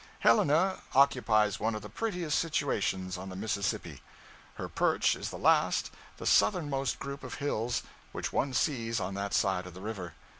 Helena occupies one of the prettiest situations on the Mississippi. Her perch is the last, the southernmost group of hills which one sees on that side of the river.